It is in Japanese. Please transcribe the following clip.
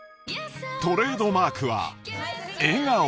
トレードマークは笑顔。